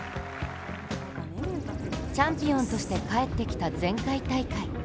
チャンピオンとして帰ってきた前回大会。